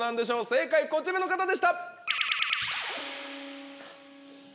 正解こちらの方でした。